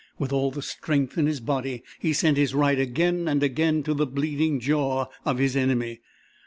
With all the strength in his body he sent his right again and again to the bleeding jaw of his enemy.